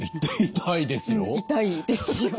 痛いですよね。